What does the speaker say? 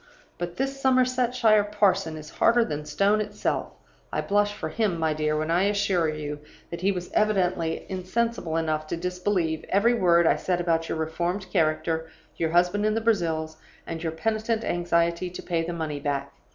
But this Somersetshire parson is harder than stone itself. I blush for him, my dear, when I assure you that he was evidently insensible enough to disbelieve every word I said about your reformed character, your husband in the Brazils, and your penitent anxiety to pay the money back.